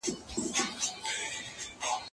ماینوکسیډیل په مالش سره کارول کېږي.